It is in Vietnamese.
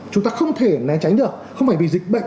chúng ta không thể né tránh được không phải vì dịch bệnh